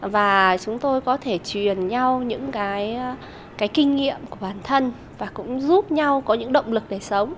và chúng tôi có thể truyền nhau những cái kinh nghiệm của bản thân và cũng giúp nhau có những động lực để sống